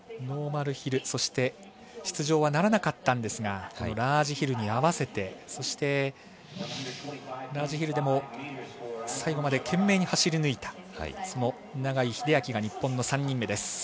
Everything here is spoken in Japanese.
ノーマルヒル、そして出場はならなかったんですがラージヒルに合わせてそして、ラージヒルでも最後まで懸命に走り抜いた永井秀昭が日本の３人目です。